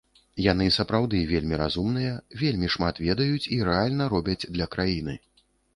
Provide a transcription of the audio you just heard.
Яны сапраўды вельмі разумныя, вельмі шмат ведаюць і рэальна робяць для краіны.